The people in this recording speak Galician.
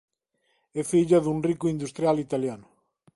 É filla dun rico industrial italiano.